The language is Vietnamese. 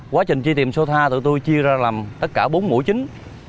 quá trình truy tìm số tha tụi tôi chia ra làm tất cả bốn mũi chính